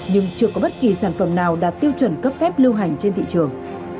nhưng chưa có bất kỳ sản phẩm nào đạt tiêu chuẩn cấp phép lưu hành trên thị trường